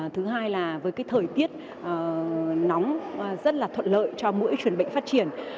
thứ hai là với thời tiết nóng rất thuận lợi cho mỗi chuyển bệnh phát triển